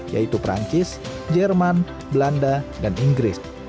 yaitu perancis jerman belanda dan inggris